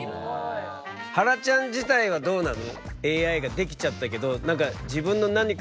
はらちゃん自体はどうなの？